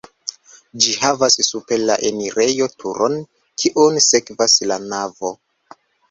Ĝi havas super la enirejo turon, kiun sekvas la navo.